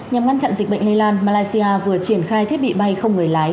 nhằm ngăn chặn dịch bệnh lây lan malaysia vừa triển khai thiết bị bay không người lái